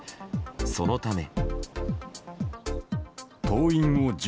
そのため。